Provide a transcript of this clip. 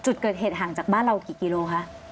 จุดเกิดเหตุห่างจากบ้านเรากี่กิโลคะ